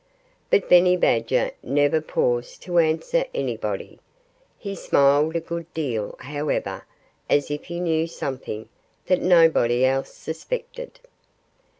But Benny Badger never paused to answer anybody. He smiled a good deal, however, as if he knew something that nobody else suspected.